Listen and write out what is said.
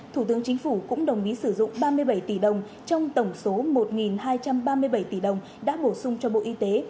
thủ tướng chính phủ cũng đồng ý sử dụng ba mươi bảy tỷ đồng trong tổng số một hai trăm ba mươi bảy tỷ đồng đã bổ sung cho bộ y tế